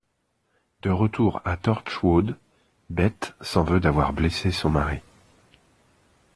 De retour à Torchwood, Beth s'en veut d'avoir blessé son mari.